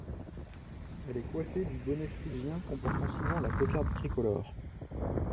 Elle est coiffée du bonnet phrygien comportant souvent la cocarde tricolore.